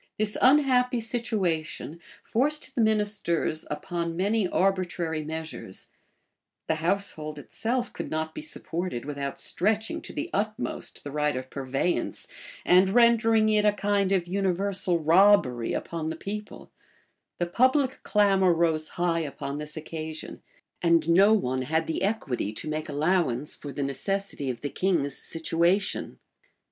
This unhappy situation forced the ministers upon many arbitrary measures: the household itself could not be supported without stretching to the utmost the right of purveyance, and rendering it a kind of universal robbery upon the people: the public clamor rose high upon this occasion, and no one had the equity to make allowance for the necessity of the king's situation.